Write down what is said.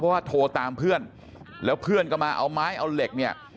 เพราะว่าโทรตามเพื่อนแล้วเพื่อนก็มาเอาไม้เอาเหล็กเนี่ย